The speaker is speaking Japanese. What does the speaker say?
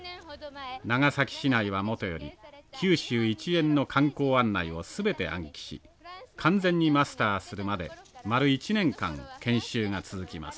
長崎市内はもとより九州一円の観光案内を全て暗記し完全にマスターするまで丸１年間研修が続きます。